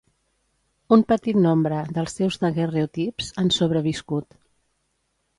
Un petit nombre dels seus daguerreotips han sobreviscut.